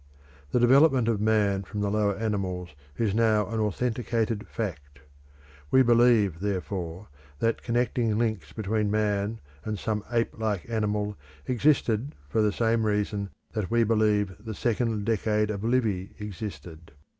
The development of man from the lower animals is now an authenticated fact. We believe, therefore, that connecting links between man and some ape like animal existed for the same reason that we believe the Second Decade of Livy existed.